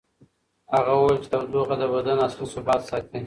هغه وویل چې تودوخه د بدن اصلي ثبات ساتي.